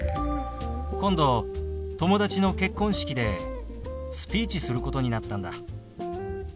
今度友達の結婚式でスピーチすることになったんだ。